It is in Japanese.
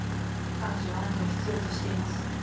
彼女はあなたを必要としています。